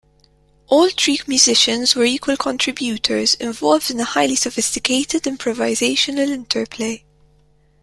All three musicians were equal contributors involved in a highly sophisticated improvisational interplay.